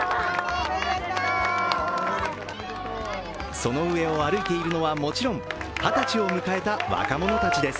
その上を歩いているのはもちろん二十歳を迎えた若者たちです。